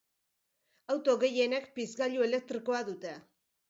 Auto gehienek pizgailu elektrikoa dute.